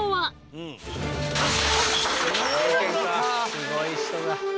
すごい人だ。